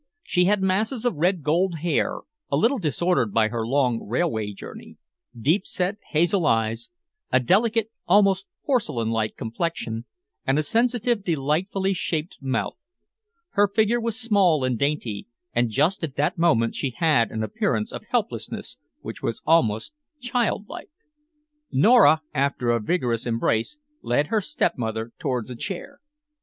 She had masses of red gold hair, a little disordered by her long railway journey, deep set hazel eyes, a delicate, almost porcelain like complexion, and a sensitive, delightfully shaped mouth. Her figure was small and dainty, and just at that moment she had an appearance of helplessness which was almost childlike. Nora, after a vigorous embrace, led her stepmother towards a chair.